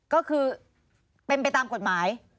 ก็คือเป็นไปตามกฎหมาย